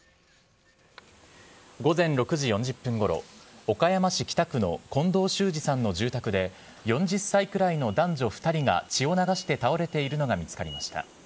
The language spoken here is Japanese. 午前６時４０分ごろ、岡山市北区の近藤修二さんの住宅で、４０歳くらいの男女２人が血を流して倒れているのが見つかりました。